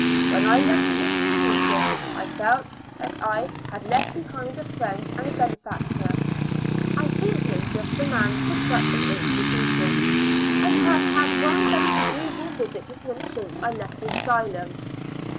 When I left the institution, I felt that I had left behind a friend and a benefactor. I think him just the man for IjY a L una tic a STL mi. 1 5 7 such an institution. I have had one very ao^reeable visit with him since I left the asylum.